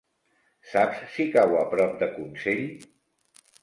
Saps si cau a prop de Consell?